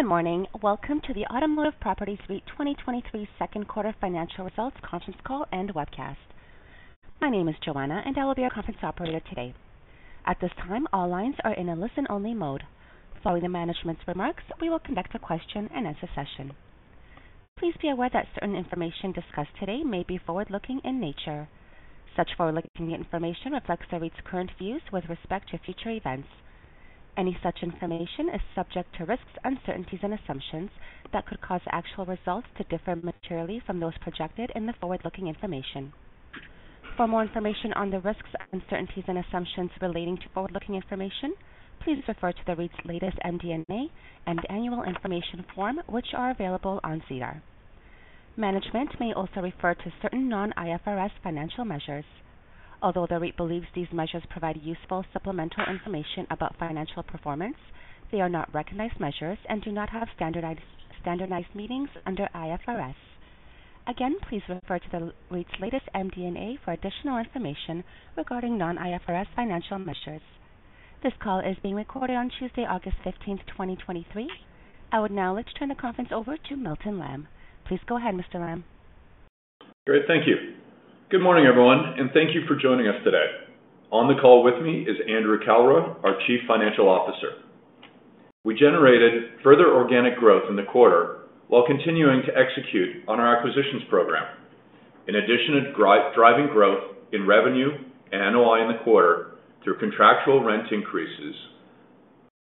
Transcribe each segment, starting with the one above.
Good morning. Welcome to the Automotive Properties REIT 2023 Q2 financial results, conference call, and webcast. My name is Joanna, and I will be your conference operator today. At this time, all lines are in a listen-only mode. Following the management's remarks, we will conduct a Q&A session. Please be aware that certain information discussed today may be forward-looking in nature. Such forward-looking information reflects the REIT's current views with respect to future events. Any such information is subject to risks, uncertainties, and assumptions that could cause actual results to differ materially from those projected in the forward-looking information. For more information on the risks, uncertainties, and assumptions relating to forward-looking information, please refer to the REIT's latest MD&A and Annual Information Form, which are available on SEDAR. Management may also refer to certain non-IFRS financial measures. Although the REIT believes these measures provide useful supplemental information about financial performance, they are not recognized measures and do not have standardized meetings under IFRS. Please refer to the REIT's latest MD&A for additional information regarding non-IFRS financial measures. This call is being recorded on Tuesday, August 15th, 2023. I would now like to turn the conference over to Milton Lamb. Please go ahead, Mr. Lamb. Great. Thank you. Good morning, everyone, thank you for joining us today. On the call with me is Andrew Kalra, our Chief Financial Officer. We generated further organic growth in the quarter while continuing to execute on our acquisitions program. In addition to driving growth in revenue and NOI in the quarter through contractual rent increases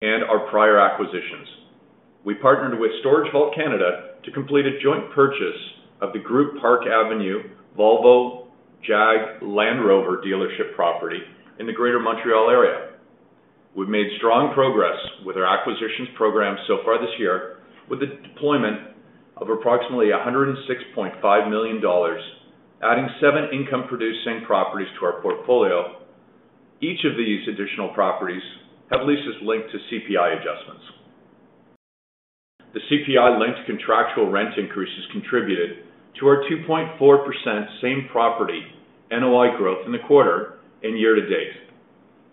and our prior acquisitions, we partnered with StorageVault Canada to complete a joint purchase of the Groupe Park Avenue, Volvo, Jaguar, Land Rover dealership property in the Greater Montreal area. We've made strong progress with our acquisitions program so far this year, with the deployment of approximately 106.5 million dollars, adding 7 income-producing properties to our portfolio. Each of these additional properties have leases linked to CPI adjustments. The CPI-linked contractual rent increases contributed to our 2.4% same-property NOI growth in the quarter and year-to-date,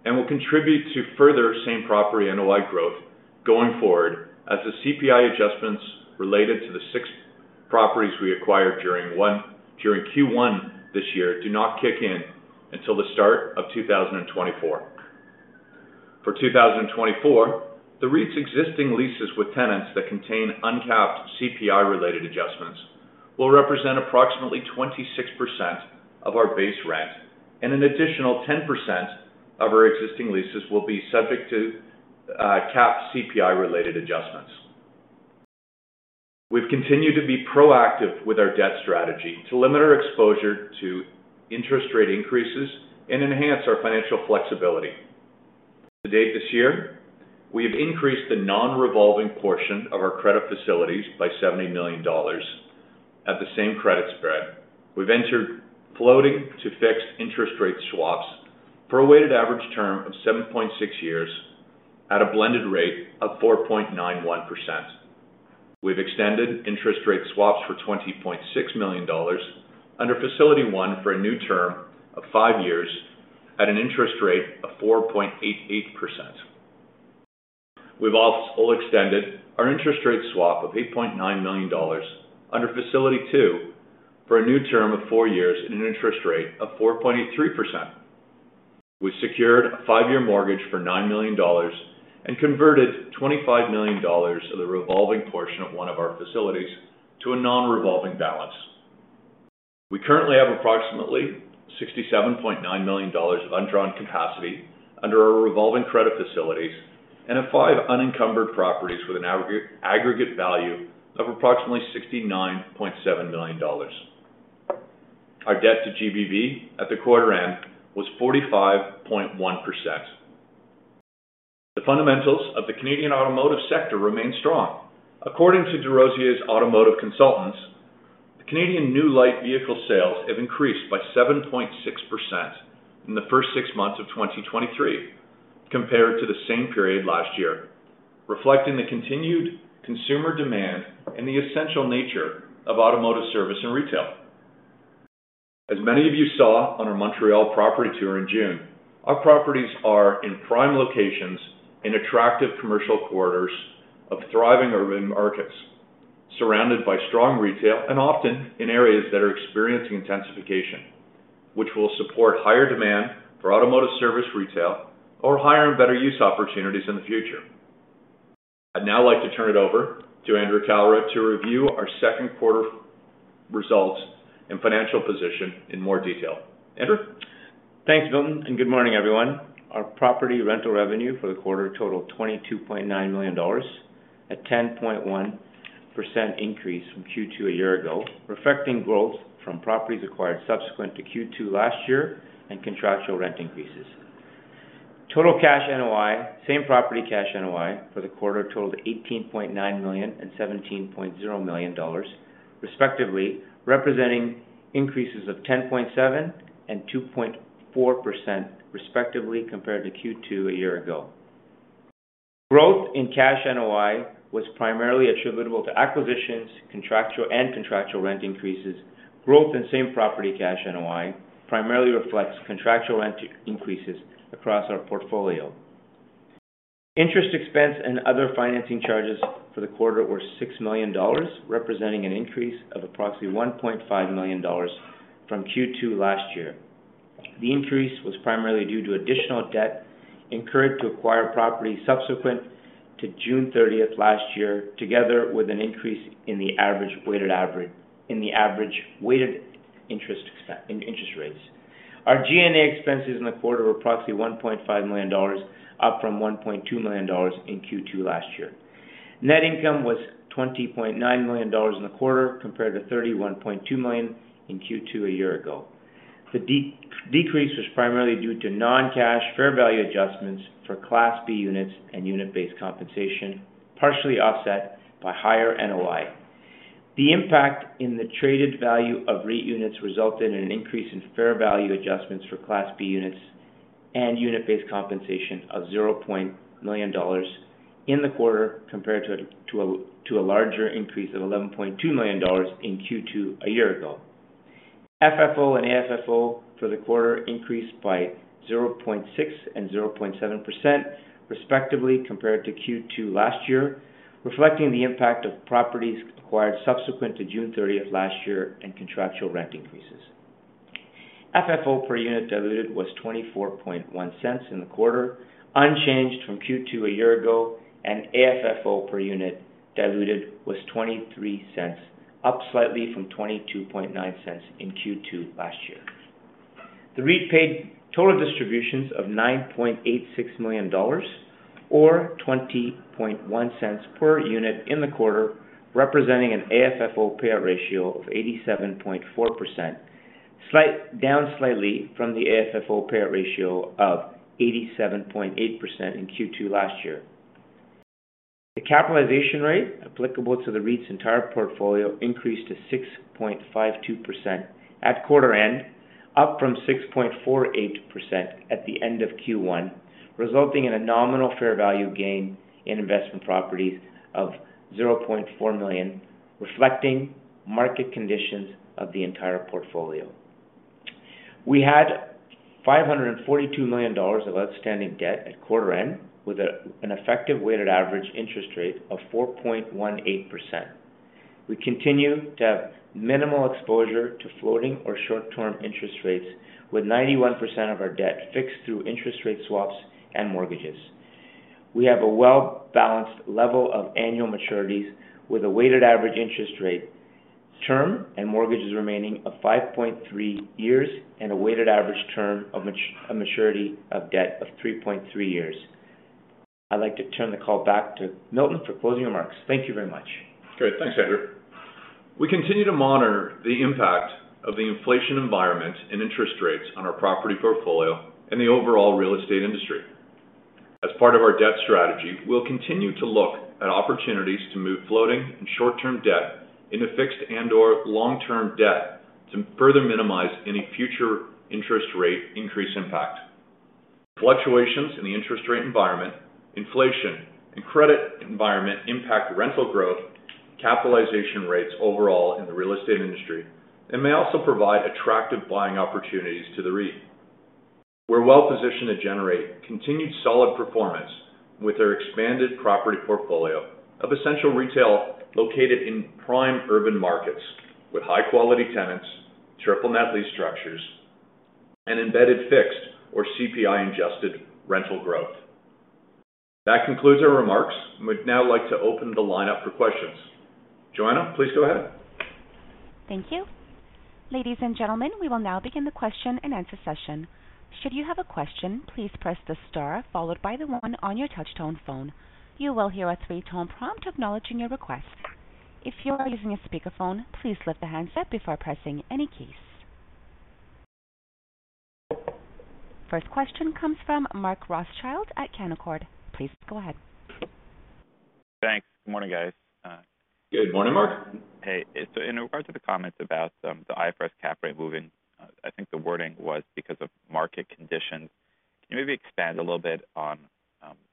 and will contribute to further same-property NOI growth going forward, as the CPI adjustments related to the 6 properties we acquired during Q1 this year do not kick in until the start of 2024. For 2024, the REIT's existing leases with tenants that contain uncapped CPI-related adjustments will represent approximately 26% of our base rent, and an additional 10% of our existing leases will be subject to capped CPI-related adjustments. We've continued to be proactive with our debt strategy to limit our exposure to interest rate increases and enhance our financial flexibility. To date this year, we have increased the non-revolving portion of our credit facilities by 70 million dollars at the same credit spread. We've entered floating to fixed interest rate swaps for a weighted average term of 7.6 years at a blended rate of 4.91%. We've extended interest rate swaps for 20.6 million dollars under Facility One for a new term of 5 years at an interest rate of 4.88%. We've also extended our interest rate swap of 8.9 million dollars under Facility Two for a new term of 4 years at an interest rate of 4.83%. We secured a 5-year mortgage for 9 million dollars and converted 25 million dollars of the revolving portion of one of our facilities to a non-revolving balance. We currently have approximately 67.9 million dollars of undrawn capacity under our revolving credit facilities and have 5 unencumbered properties with an aggregate value of approximately 69.7 million dollars. Our debt to GBV at the quarter end was 45.1%. The fundamentals of the Canadian automotive sector remain strong. According to DesRosiers Automotive Consultants, the Canadian new light vehicle sales have increased by 7.6% in the first 6 months of 2023 compared to the same period last year, reflecting the continued consumer demand and the essential nature of automotive service and retail. As many of you saw on our Montreal property tour in June, our properties are in prime locations in attractive commercial corridors of thriving urban markets, surrounded by strong retail and often in areas that are experiencing intensification, which will support higher demand for automotive service retail or higher and better use opportunities in the future. I'd now like to turn it over to Andrew Kalra to review our Q2 results and financial position in more detail. Andrew? Thanks, Milton. Good morning, everyone. Our property rental revenue for the quarter totaled 22.9 million dollars, a 10.1% increase from Q2 a year ago, reflecting growth from properties acquired subsequent to Q2 last year and contractual rent increases. Total cash NOI, same-property cash NOI for the quarter totaled 18.9 million and 17.0 million dollars, respectively, representing increases of 10.7% and 2.4% respectively, compared to Q2 a year ago. Growth in cash NOI was primarily attributable to acquisitions, contractual, and contractual rent increases. Growth in same-property cash NOI primarily reflects contractual rent increases across our portfolio. Interest expense and other financing charges for the quarter were 6 million dollars, representing an increase of approximately 1.5 million dollars from Q2 last year. The increase was primarily due to additional debt incurred to acquire property subsequent to June 30th last year, together with an increase in the average, weighted average, in the average weighted interest in interest rates. Our G&A expenses in the quarter were approximately 1.5 million dollars, up from 1.2 million dollars in Q2 last year. Net income was 20.9 million dollars in the quarter, compared to 31.2 million in Q2 a year ago. The decrease was primarily due to non-cash fair value adjustments for Class B units and unit-based compensation, partially offset by higher NOI. The impact in the traded value of REIT units resulted in an increase in fair value adjustments for Class B Units and unit-based compensation of 0 million dollars in the quarter, compared to a larger increase of 11.2 million dollars in Q2 a year ago. FFO and AFFO for the quarter increased by 0.6% and 0.7% respectively, compared to Q2 last year, reflecting the impact of properties acquired subsequent to June thirtieth last year and contractual rent increases. FFO per unit diluted was 0.241 in the quarter, unchanged from Q2 a year ago, and AFFO per unit diluted was 0.23, up slightly from 0.229 in Q2 last year. The REIT paid total distributions of 9.86 million dollars or 0.201 per unit in the quarter, representing an AFFO payout ratio of 87.4%, down slightly from the AFFO payout ratio of 87.8% in Q2 last year. The capitalization rate applicable to the REIT's entire portfolio increased to 6.52% at quarter end, up from 6.48% at the end of Q1, resulting in a nominal fair value gain in investment properties of 0.4 million, reflecting market conditions of the entire portfolio. We had 542 million dollars of outstanding debt at quarter end, with an effective weighted average interest rate of 4.18%. We continue to have minimal exposure to floating or short-term interest rates, with 91% of our debt fixed through interest rate swaps and mortgages. We have a well-balanced level of annual maturities, with a weighted average interest rate term and mortgages remaining of 5.3 years and a weighted average term of a maturity of debt of 3.3 years. I'd like to turn the call back to Milton for closing remarks. Thank you very much. Great. Thanks, Andrew. We continue to monitor the impact of the inflation environment and interest rates on our property portfolio and the overall real estate industry. As part of our debt strategy, we'll continue to look at opportunities to move floating and short-term debt into fixed and/or long-term debt to further minimize any future interest rate increase impact. Fluctuations in the interest rate environment, inflation, and credit environment impact rental growth, capitalization rates overall in the real estate industry, and may also provide attractive buying opportunities to the REIT. We're well positioned to generate continued solid performance with our expanded property portfolio of essential retail located in prime urban markets with high-quality tenants, triple-net lease structures, and embedded, fixed, or CPI-adjusted rental growth. That concludes our remarks, and we'd now like to open the line up for questions. Joanna, please go ahead. Thank you. Ladies and gentlemen, we will now begin the Q&A session. Should you have a question, please press the star followed by the one on your touchtone phone. You will hear a 3-tone prompt acknowledging your request. If you are using a speakerphone, please lift the handset before pressing any keys. First question comes from Mark Rothschild at Canaccord. Please go ahead. Thanks. Good morning, guys. Good morning, Mark. In regards to the comments about the IFRS cap rate moving, I think the wording was because of market conditions. Can you maybe expand a little bit on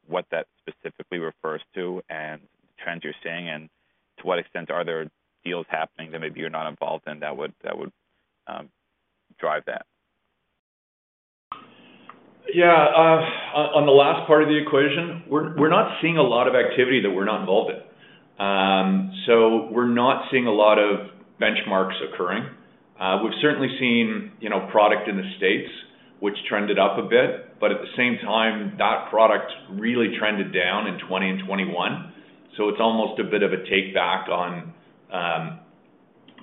what that specifically refers to and trends you're seeing, and to what extent are there deals happening that maybe you're not involved in that would, that would drive that? Yeah, on, on the last part of the equation, we're, we're not seeing a lot of activity that we're not involved in. We're not seeing a lot of benchmarks occurring. We've certainly seen, you know, product in the States, which trended up a bit, but at the same time, that product really trended down in 20 and 2021, so it's almost a bit of a takeback on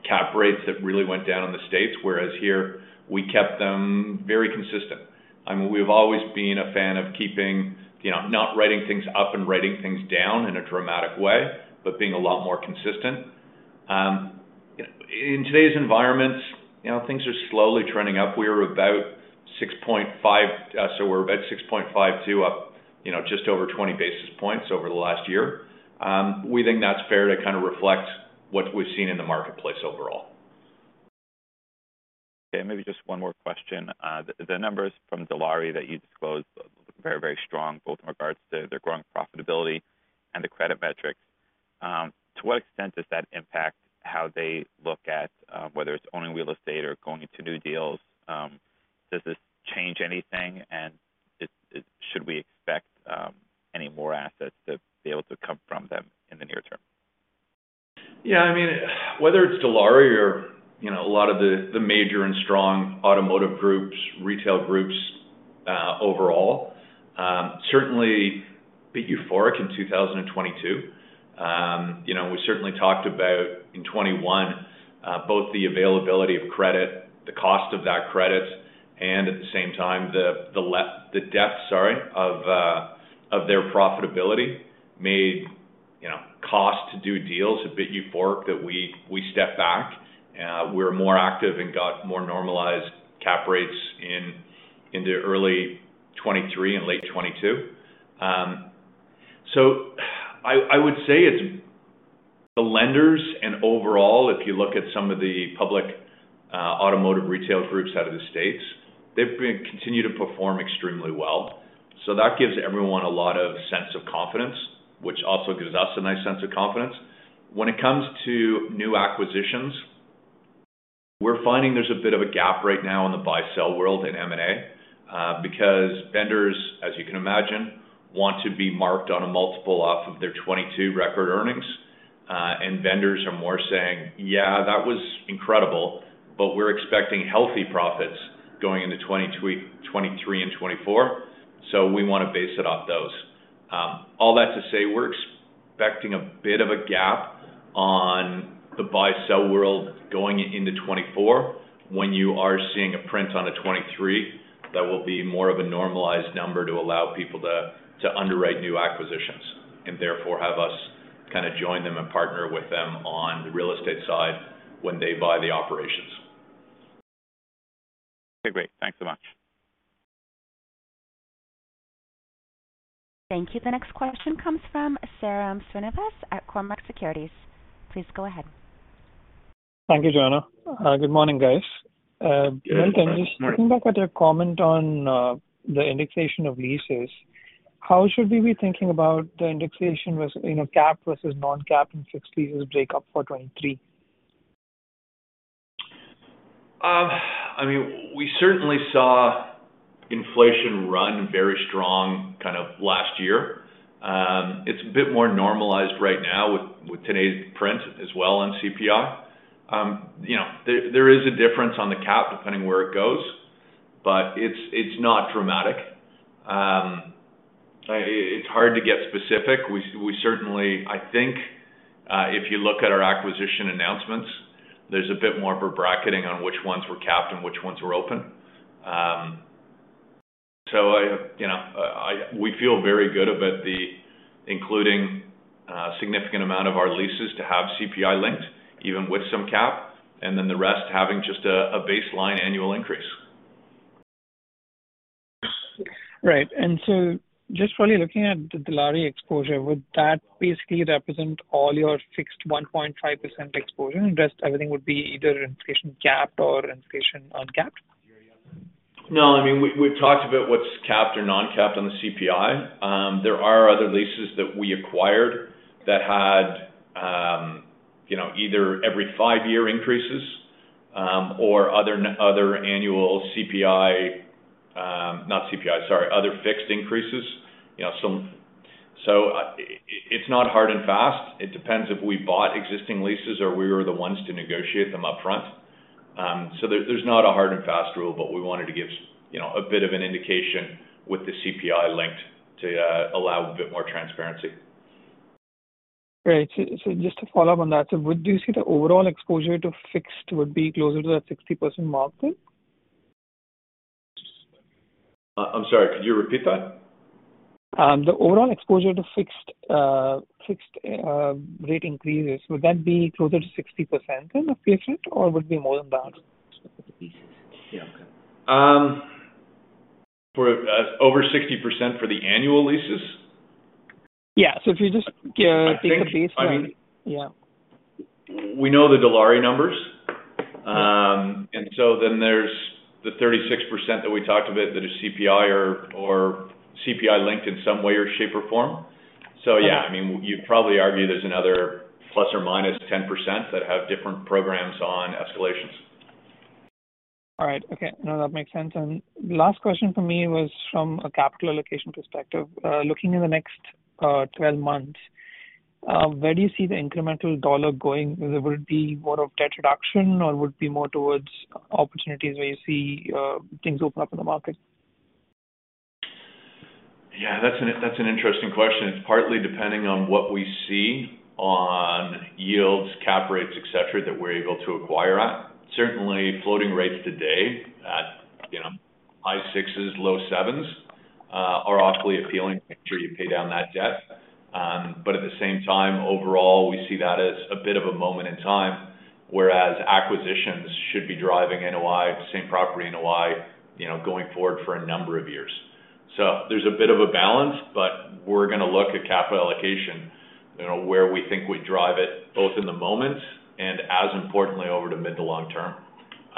cap rates that really went down in the States, whereas here we kept them very consistent. I mean, we've always been a fan of keeping, you know, not writing things up and writing things down in a dramatic way, but being a lot more consistent. In today's environments, you know, things are slowly trending up. We are about 6.5, so we're at 6.52 up, you know, just over 20 basis points over the last year. We think that's fair to kind of reflect what we've seen in the marketplace overall. Okay, maybe just one more question. The numbers from Dilawri that you disclosed are very, very strong, both in regards to their growing profitability and the credit metrics. To what extent does that impact how they look at whether it's owning real estate or going into new deals? Does this change anything? Should we expect any more assets to be able to come from them in the near term? Yeah, I mean, whether it's Dilawri or, you know, a lot of the, the major and strong automotive groups, retail groups, overall, certainly bit euphoric in 2022. You know, we certainly talked about in 21, both the availability of credit, the cost of that credit, and at the same time, the depth, sorry, of their profitability made, you know, cost to do deals a bit euphoric that we, we stepped back. We're more active and got more normalized cap rates in, in the early 23 and late 22. I, I would say it's the lenders and overall, if you look at some of the public automotive retail groups out of the States, they continue to perform extremely well. That gives everyone a lot of sense of confidence, which also gives us a nice sense of confidence. When it comes to new acquisitions, we're finding there's a bit of a gap right now in the buy-sell world in M&A, because vendors, as you can imagine, want to be marked on a multiple off of their 2022 record earnings. And vendors are more saying, "Yeah, that was incredible, but we're expecting healthy profits going into 2023 and 2024, so we want to base it off those." All that to say, we're expecting a bit of a gap on the buy-sell world going into 2024. When you are seeing a print on a 2023, that will be more of a normalized number to allow people to, to underwrite new acquisitions, and therefore have us kinda join them and partner with them on the real estate side when they buy the operations. Okay, great. Thanks so much. Thank you. The next question comes from Sairam Srinivas at Cormark Securities. Please go ahead. Thank you, Joanna. Good morning, guys. Good morning. Just looking back at your comment on the Indexation of leases, how should we be thinking about the indexation versus, you know, capped versus non-capped in fixed leases break up for 2023? I mean, we certainly saw inflation run very strong kind of last year. It's a bit more normalized right now with, with today's print as well on CPI. You know, there, there is a difference on the cap, depending where it goes, but it's, it's not dramatic. It's hard to get specific. We, we certainly I think, if you look at our acquisition announcements, there's a bit more of a bracketing on which ones were capped and which ones were open. I, you know, I, we feel very good about the including, significant amount of our leases to have CPI linked, even with some cap, and then the rest having just a, a baseline annual increase. Right. Just while you're looking at the Dilawri exposure, would that basically represent all your fixed 1.5% exposure, and just everything would be either inflation capped or inflation uncapped? No, I mean, we, we've talked about what's capped or non-capped on the CPI. There are other leases that we acquired that had, you know, either every 5-year increases, or other other annual CPI. Not CPI, sorry, other fixed increases. You know, so, so, it's not hard and fast. It depends if we bought existing leases or we were the ones to negotiate them upfront. There, there's not a hard and fast rule, but we wanted to give, you know, a bit of an indication with the CPI linked to allow a bit more transparency. Great. So just to follow up on that, so would you say the overall exposure to fixed would be closer to that 60% mark then? I'm sorry, could you repeat that? The overall exposure to fixed, fixed, rate increases, would that be closer to 60% then, of fixed, or would it be more than that? For, over 60% for the annual leases? Yeah. If you just think of these, right? Yeah. We know the Dilawri numbers. And so then there's the 36% that we talked about that is CPI or, or CPI linked in some way, or shape, or form. So yeah, I mean, you'd probably argue there's another ±10% that have different programs on escalations. All right. Okay, no, that makes sense. Last question from me was from a capital allocation perspective. Looking in the next 12 months, where do you see the incremental dollar going? Would it be more of debt reduction, or would it be more towards opportunities where you see things open up in the market? Yeah, that's an, that's an interesting question. It's partly depending on what we see on yields, cap rates, et cetera, that we're able to acquire at. Certainly, floating rates today at, you know, high 6s, low 7s, are awfully appealing to make sure you pay down that debt. At the same time, overall, we see that as a bit of a moment in time, whereas acquisitions should be driving NOI, same property NOI, you know, going forward for a number of years. There's a bit of a balance, we're gonna look at capital allocation, you know, where we think we drive it, both in the moment and as importantly, over the mid to long term.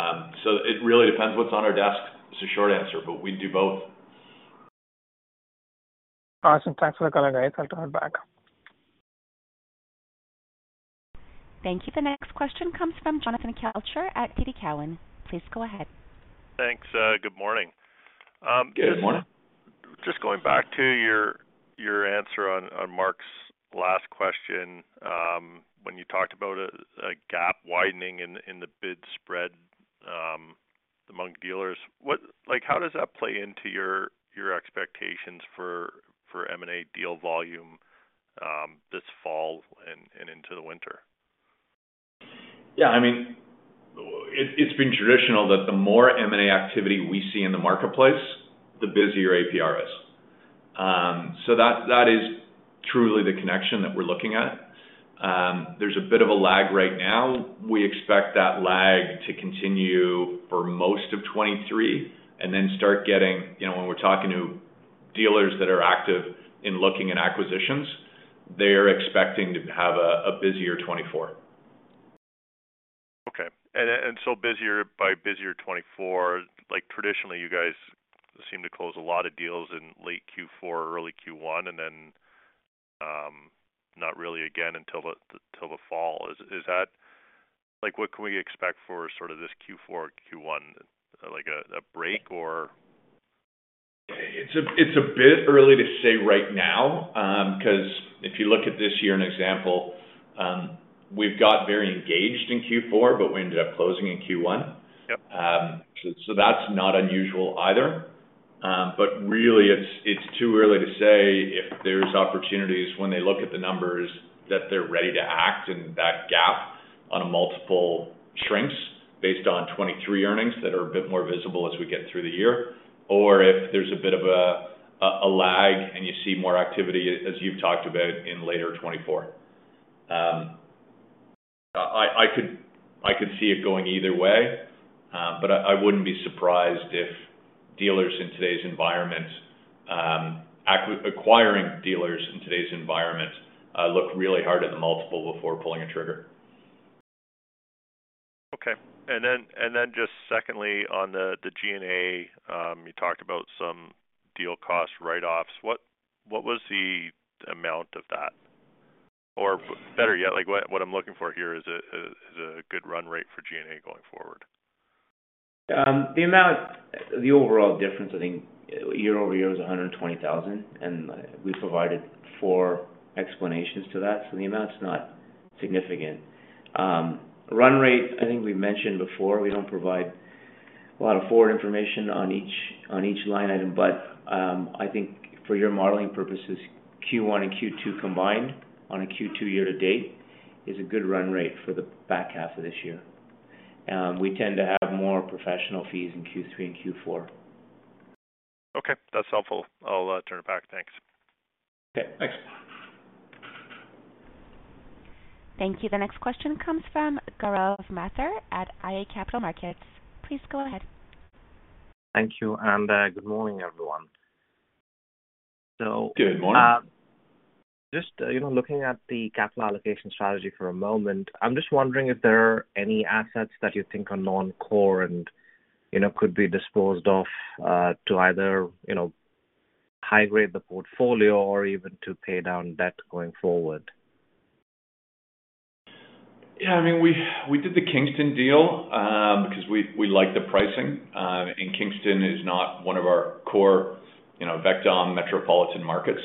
It really depends what's on our desk. It's a short answer, we do both. Awesome. Thanks for the call, guys. I'll turn it back. Thank you. The next question comes from Jonathan Kelcher at TD Cowen. Please go ahead. Thanks. Good morning. Good morning. Just going back to your, your answer on, on Mark Rothschild's last question, when you talked about a, a gap widening in, in the bid spread, among dealers. Like, how does that play into your, your expectations for, for M&A deal volume, this fall and, and into the winter? Yeah, I mean, it, it's been traditional that the more M&A activity we see in the marketplace, the busier APR is. That, that is truly the connection that we're looking at. There's a bit of a lag right now. We expect that lag to continue for most of 2023, and then start getting. You know, when we're talking to dealers that are active in looking at acquisitions, they are expecting to have a, a busier 2024. So busier, by busier 24, traditionally, you guys seem to close a lot of deals in late Q4, early Q1, and then not really again until the, till the fall. Is that? What can we expect for sort of this Q4, Q1? A break or? It's a, it's a bit early to say right now, 'cause if you look at this year, an example, we've got very engaged in Q4, but we ended up closing in Q1. Yep. That's not unusual either. Really it's, it's too early to say if there's opportunities when they look at the numbers, that they're ready to act, and that gap on a multiple shrinks based on 2023 earnings that are a bit more visible as we get through the year, or if there's a bit of a, a, a lag and you see more activity, as you've talked about, in later 2024. I, I could, I could see it going either way, but I, I wouldn't be surprised if dealers in today's environment, acquiring dealers in today's environment, look really hard at the multiple before pulling a trigger. Okay. Then, and then just secondly, on the G&A, you talked about some deal cost write-offs. What was the amount of that? Or better yet, like, what I'm looking for here is a good run rate for G&A going forward. The amount, the overall difference, I think year-over-year was 120,000, and we provided 4 explanations to that, so the amount is not significant. Run rate, I think we've mentioned before, we don't provide a lot of forward information on each, on each line item, but I think for your modeling purposes, Q1 and Q2 combined on a Q2 year-to-date, is a good run rate for the back half of this year. We tend to have more professional fees in Q3 and Q4. Okay, that's helpful. I'll turn it back. Thanks. Okay, thanks. Thank you. The next question comes from Gaurav Mathur at iA Capital Markets. Please go ahead. Thank you, and, good morning, everyone. Good morning. Just, you know, looking at the capital allocation strategy for a moment, I'm just wondering if there are any assets that you think are non-core and, you know, could be disposed of to either, you know, high grade the portfolio or even to pay down debt going forward? Yeah, I mean, we, we did the Kingston deal, because we, we liked the pricing. Kingston is not one of our core, you know, vector on metropolitan markets.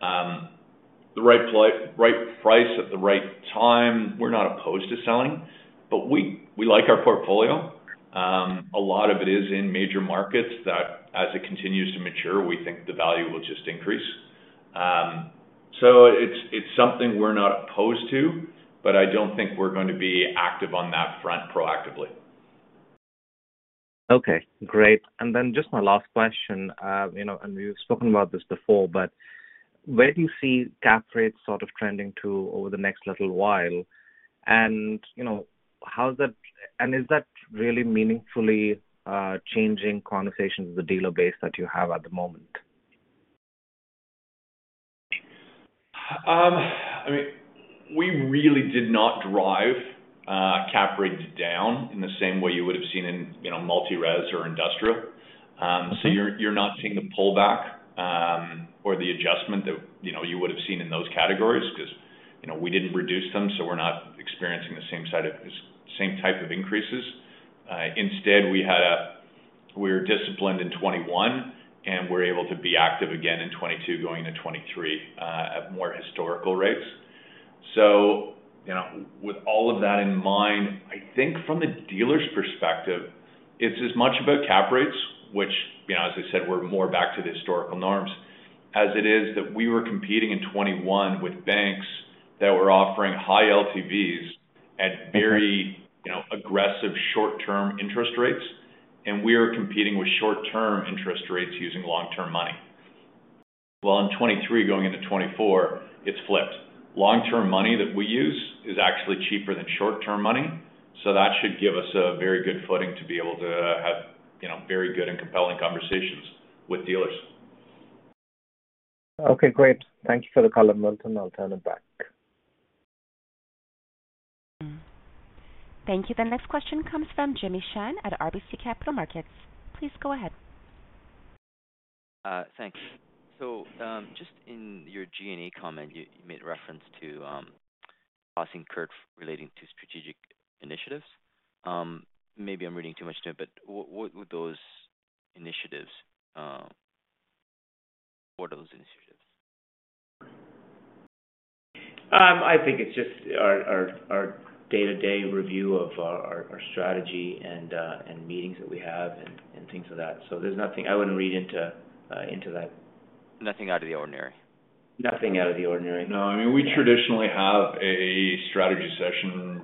The right price at the right time, we're not opposed to selling, but we, we like our portfolio. A lot of it is in major markets that as it continues to mature, we think the value will just increase. It's, it's something we're not opposed to, but I don't think we're going to be active on that front proactively. Okay, great. Then just my last question, you know, and we've spoken about this before, but where do you see cap rates sort of trending to over the next little while? You know, how's that-- Is that really meaningfully, changing conversations with the dealer base that you have at the moment? I mean, we really did not drive cap rates down in the same way you would have seen in, you know, multi-res or industrial. So you're, you're not seeing the pullback or the adjustment that, you know, you would have seen in those categories because, you know, we didn't reduce them, so we're not experiencing the same type of increases. Instead, we were disciplined in 21, and we're able to be active again in 22, going to 23, at more historical rates. You know, with all of that in mind, I think from the dealer's perspective, it's as much about cap rates, which, you know, as I said, we're more back to the historical norms, as it is that we were competing in 2021 with banks that were offering high LTVs at very, you know, aggressive short-term interest rates, and we are competing with short-term interest rates using long-term money. In 2023, going into 2024, it's flipped. Long-term money that we use is actually cheaper than short-term money, so that should give us a very good footing to be able to have, you know, very good and compelling conversations with dealers. Okay, great. Thank you for the call, Milton. I'll turn it back. Thank you. The next question comes from Jimmy Shen at RBC Capital Markets. Please go ahead. Thanks. Just in your G&A comment, you, you made reference to, costing curve relating to strategic initiatives. Maybe I'm reading too much into it, what, what would those initiatives... What are those initiatives? I think it's just our, our, our day-to-day review of our, our, our strategy and, and meetings that we have and, and things of that. There's nothing. I wouldn't read into, into that. Nothing out of the ordinary? Nothing out of the ordinary. No, I mean, we traditionally have a strategy session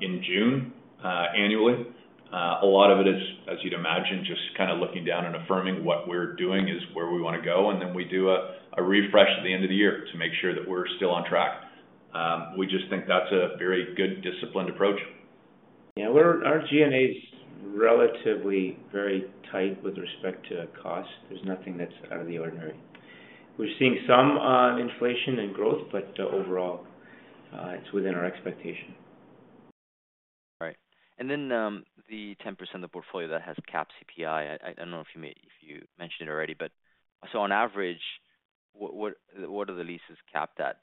in June annually. A lot of it is, as you'd imagine, just kind of looking down and affirming what we're doing is where we want to go, and then we do a refresh at the end of the year to make sure that we're still on track. We just think that's a very good, disciplined approach. Yeah, our G&A's relatively very tight with respect to cost. There's nothing that's out of the ordinary. We're seeing some inflation and growth, but overall, it's within our expectation. Right. Then, the 10% of the portfolio that has capped CPI, I, I don't know if you mentioned it already, but so on average, what, what, what are the leases capped at?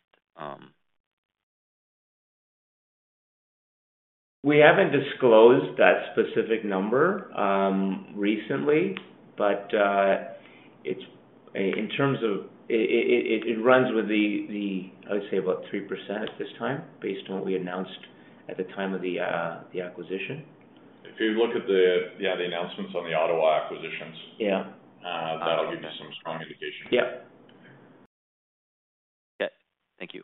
We haven't disclosed that specific number, recently, but it runs with the, the, I would say, about 3% at this time, based on what we announced at the time of the acquisition. If you look at the, yeah, the announcements on the Ottawa acquisitions... Yeah. that'll give you some strong indication. Yeah. Yeah. Thank you.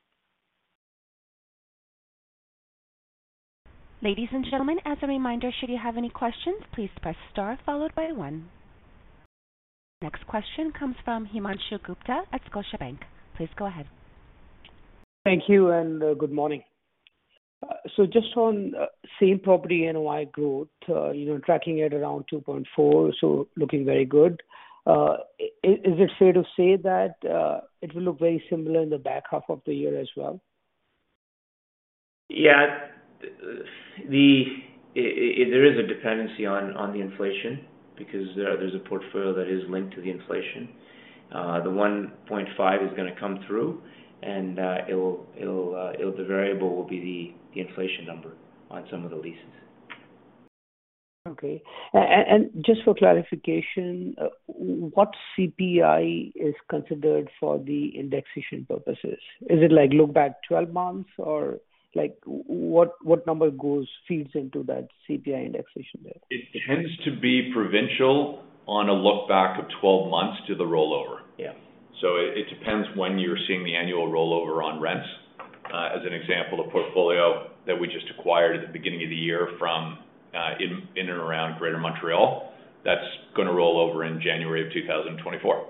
Ladies and gentlemen, as a reminder, should you have any questions, please press star followed by one. Next question comes from Himanshu Gupta at Scotiabank. Please go ahead. Thank you, good morning. Just on same-property NOI growth, you know, tracking it around 2.4, looking very good. Is it fair to say that it will look very similar in the back half of the year as well? Yeah. The... There is a dependency on, on the inflation because there's a portfolio that is linked to the inflation. The 1.5 is going to come through, and it'll, it'll the variable will be the, the inflation number on some of the leases. Okay. Just for clarification, what CPI is considered for the indexation purposes? Is it like look back 12 months, or like, what, what number goes, feeds into that CPI indexation there? It tends to be provincial on a look-back of 12 months to the rollover. Yeah. It, it depends when you're seeing the annual rollover on rents. as an example, the portfolio that we just acquired at the beginning of the year from, in, in and around Greater Montreal, that's going to roll over in January of 2024. Okay.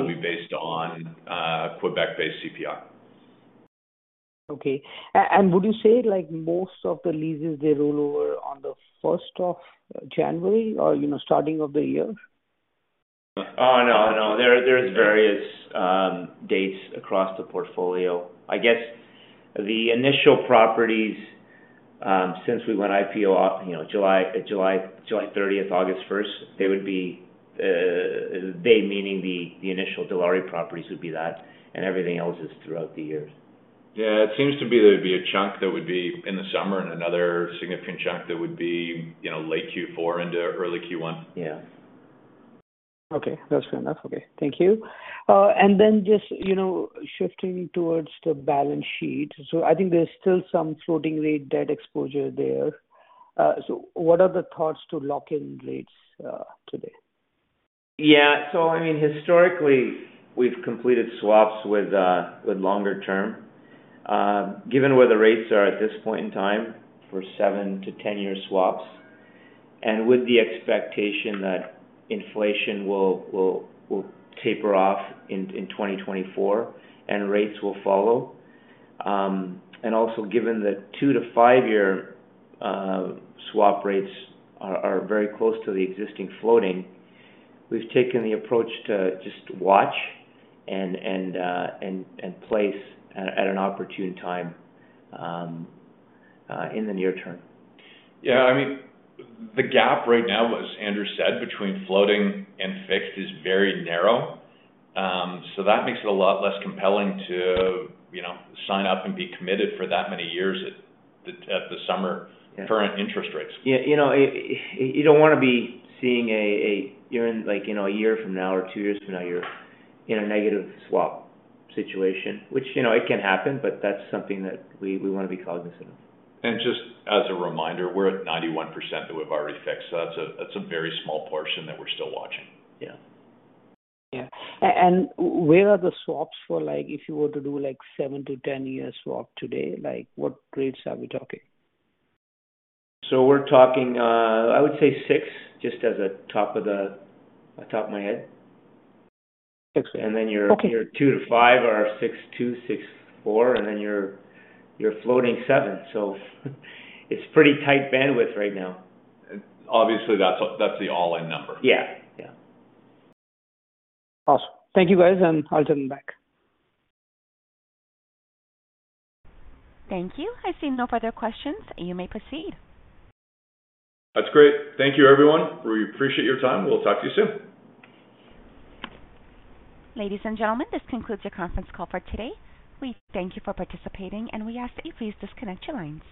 Will be based on, Quebec-based CPI. Okay. Would you say like most of the leases, they roll over on the first of January or, you know, starting of the year? Oh, no, no. There, there's various dates across the portfolio. I guess the initial properties, since we went IPO, you know, July, July, July 30th, August 1st, they would be, they meaning the initial Dilawri properties would be that, and everything else is throughout the years. Yeah, it seems to be there'd be a chunk that would be in the summer and another significant chunk that would be, you know, late Q4 into early Q1. Yeah. Okay. That's fair enough. Okay. Thank you. Then just, you know, shifting towards the balance sheet. I think there's still some floating rate debt exposure there. What are the thoughts to lock in rates, today? Yeah. I mean, historically, we've completed swaps with, with longer term. Given where the rates are at this point in time, for 7-10-year swaps, and with the expectation that inflation will, will, will taper off in 2024 and rates will follow. Also given that 2-5-year swap rates are very close to the existing floating, we've taken the approach to just watch and, and place at an opportune time in the near term. Yeah, I mean, the gap right now, as Andrew said, between floating and fixed is very narrow. That makes it a lot less compelling to, you know, sign up and be committed for that many years at the, at the summer- Yeah. Current interest rates. Yeah, you know, you don't want to be seeing you're in like, you know, a year from now or 2 years from now, you're in a negative swap situation, which, you know, it can happen, but that's something that we, we want to be cognizant of. Just as a reminder, we're at 91% that we've already fixed. That's a, that's a very small portion that we're still watching. Yeah. Yeah. Where are the swaps for, like, if you were to do, like, 7-10 year swap today? Like, what rates are we talking? We're talking, I would say 6, just as a top of the, off the top of my head. 6. Then. Okay. - your 2 to 5 are 6.2, 6.4, and then your, you're floating 7. So it's pretty tight bandwidth right now. Obviously, that's, that's the all-in number. Yeah. Yeah. Awesome. Thank you, guys, and I'll turn back. Thank you. I see no further questions. You may proceed. That's great. Thank you, everyone. We appreciate your time. We'll talk to you soon. Ladies and gentlemen, this concludes your conference call for today. We thank you for participating, and we ask that you please disconnect your lines.